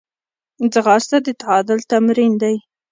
ځغاسته د تعادل تمرین دی